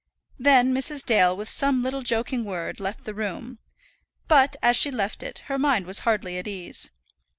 Then Mrs. Dale, with some little joking word, left the room; but, as she left it, her mind was hardly at ease.